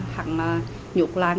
hàng nhục lan